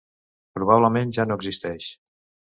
Probablement ja no existeix.